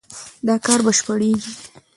دا کار بشپړېږي.